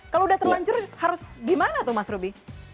kalau udah terlanjur harus gimana tuh mas ruby